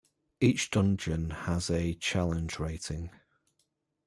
Each dungeon has a "challenge rating".